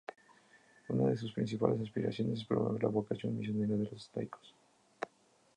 Una de sus principales aspiraciones es promover la vocación misionera de los laicos.